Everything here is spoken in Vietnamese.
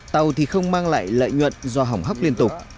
tàu thì không mang lại lợi nhuận do hỏng hóc liên tục